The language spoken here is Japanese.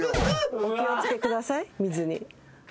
お気を付けください水に。